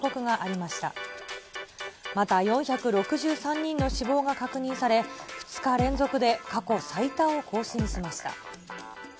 また、４６３人の死亡が確認され、２日連続で過去最多を更新しました。